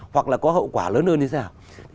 hoặc là có hậu quả lớn hơn như thế nào